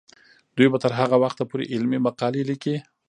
دوی به تر هغه وخته پورې علمي مقالې لیکي.